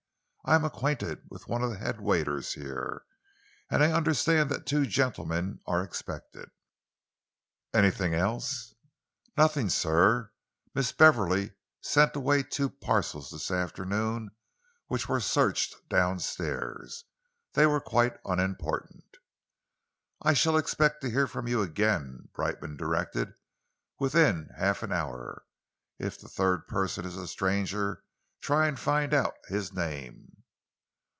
"I am acquainted with one of the head waiters here, and I understand that two gentlemen are expected." "Anything else?" "Nothing, sir. Miss Beverley sent away two parcels this afternoon, which were searched downstairs. They were quite unimportant." "I shall expect to hear from you again," Brightman directed, "within half an hour. If the third person is a stranger, try and find out his name."